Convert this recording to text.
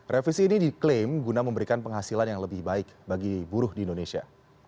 revisi ini diklaim guna memberikan penghasilan yang lebih baik bagi buruh di indonesia